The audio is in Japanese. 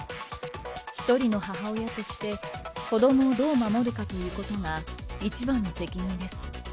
一人の母親として、子どもをどう守るかということが、一番の責任です。